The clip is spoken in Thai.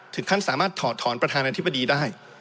ถึงขั้นสามารถถอดถอนประธานอธิบดีได้